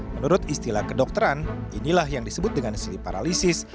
menurut istilah kedokteran inilah yang disebut dengan sleep paralysis